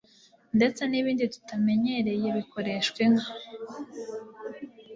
ndetse n'ibindi tutamenyereye bikoreshwa inka